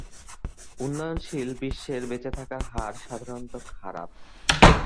উন্নয়নশীল বিশ্বের বেঁচে থাকার হার সাধারণত খারাপ।